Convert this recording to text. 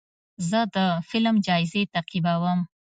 زه د فلم جایزې تعقیبوم.